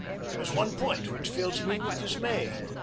There is one point which fills me with dismay.